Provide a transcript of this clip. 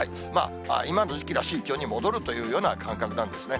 今の時期らしい気温に戻るというような感覚なんですね。